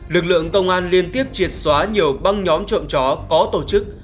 lực lượng công an liên tiếp triệt xóa nhiều băng nhóm trộm chó có tổ chức